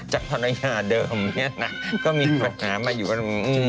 จากธนยาเดิมนี่นะก็มีปัญหามาอยู่กัน